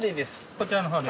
こちらの方で。